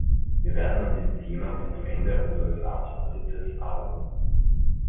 Wir werden an diesem Thema bis zum Ende unseres Ratsvorsitzes arbeiten.